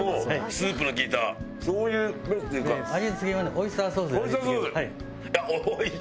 オイスターソース？